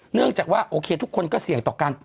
เนื่องจากว่าโอเคทุกคนก็เสี่ยงต่อกัน